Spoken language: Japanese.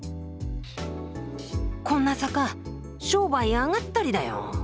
こんな坂商売上がったりだよ。